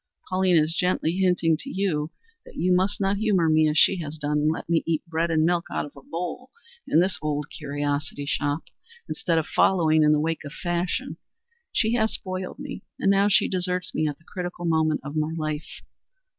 Pauline is gently hinting to you that you must not humor me as she has done, and let me eat bread and milk out of a bowl in this old curiosity shop, instead of following in the wake of fashion. She has spoiled me and now she deserts me at the critical moment of my life.